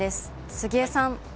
杉江さん。